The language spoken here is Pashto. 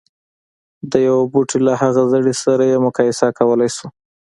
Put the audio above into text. د يوه بوټي له هغه زړي سره يې مقايسه کولای شو.